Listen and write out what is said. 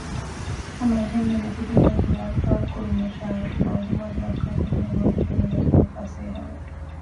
ހަމައެހެންމެ މިކުދިންނަށް ޚިޔާލުފާޅުކުރުމަށާއި މަޢުލޫމާތު ރައްކާކުރުމަށް ނުވަތަ ދެނެގަތުމަށް ފަސޭހަވެ